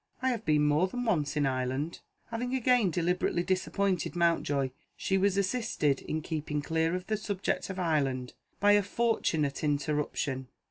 "I have been more than once in Ireland." Having again deliberately disappointed Mountjoy, she was assisted in keeping clear of the subject of Ireland by a fortunate interruption.